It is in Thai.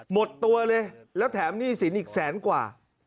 หมดตัวเลยแล้วแถมหนี้สินอีกแสนกว่า